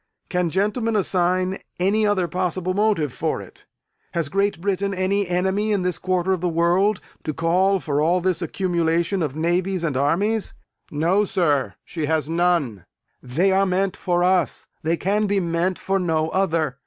Can gentlemen assign any other possible motive for it? Has Great Britain any enemy, in this quarter of the world, to call for all this accumulation of navies and armies? No, sir, she has none. They are meant for us; they can be meant for no other.